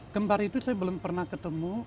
kembar itu saya belum pernah ketemu